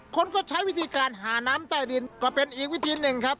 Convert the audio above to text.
คนก็ใช้วิธีการหาน้ำใต้ดินก็เป็นอีกวิธีหนึ่งครับ